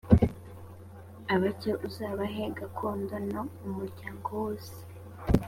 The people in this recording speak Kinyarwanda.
abake uzabahe gakondo nto umuryango wose